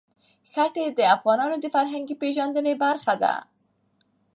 ښتې د افغانانو د فرهنګي پیژندنې برخه ده.